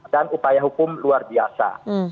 dan upaya hukum luar biasa